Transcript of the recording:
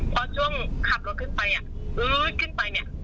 เพราะช่วงขับรถขึ้นไปอ่ะอื้อขึ้นไปเนี่ย